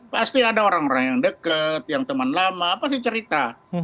pasti ada orang orang yang dekat yang teman lama apa sih cerita